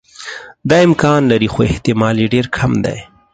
دا امکان لري خو احتمال یې ډېر کم دی.